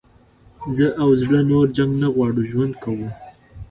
زه او زړه نور جنګ نه غواړو ژوند کوو.